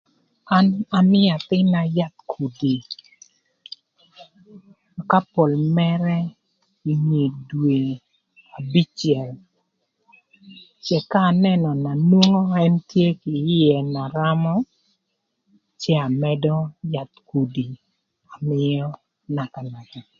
An amïö athïn-na yath kudi ka pol mërë kinge dwe abicël cë ka anënö na nwongo ën tye kï ïë na römö cë amëdö yath kudi amïö naka ï ajïkï.